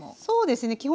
そうですね